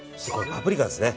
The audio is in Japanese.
パプリカですね。